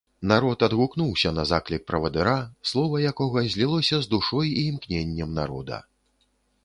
Народ адгукнуўся на заклік правадыра, слова якога злілося з душой і імкненнем народа.